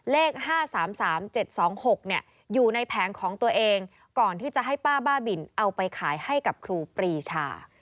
เลข๕๓๓๗๒๖อยู่ในแผงของตัวเองก่อนที่จะให้ป้าบ้าบินเอาไปขายให้กับครูปรีชา